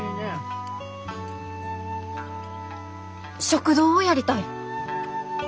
食堂をやりたい。